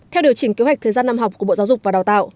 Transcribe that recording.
theo điều chỉnh kế hoạch thời gian năm học của bộ giáo dục và đào tạo